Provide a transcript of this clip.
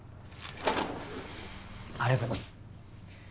ありがとうございます。